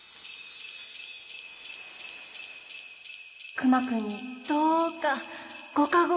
熊くんにどうかご加護を。